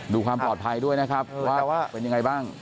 ดูความปลอดภัยด้วยนะครับว่าเป็นยังไงบ้าง